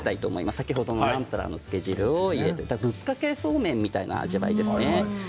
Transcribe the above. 先ほどのナムプラーの漬け汁を入れてぶっかけそうめんみたいな味わいですね。